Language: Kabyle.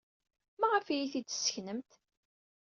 Maɣef ay iyi-t-id-tesseknem?